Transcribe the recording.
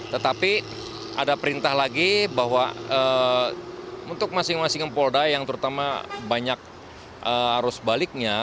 tetapi ada perintah lagi bahwa untuk masing masing polda yang terutama banyak arus baliknya